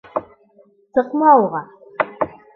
Сыҡма уға!